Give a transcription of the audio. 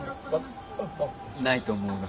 ないと思うが。